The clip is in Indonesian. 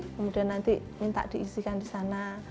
kemudian nanti minta diisikan di sana